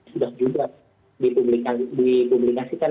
sudah juga dipublikasikan